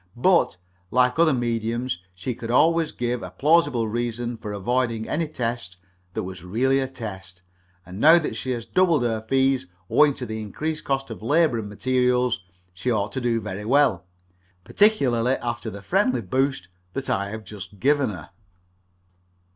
But, like other mediums, she could always give a plausible reason for avoiding any test that was really a test; and now that she has doubled her fees owing to the increased cost of labour and materials, she ought to do very well, particularly after the friendly boost that I have just given her.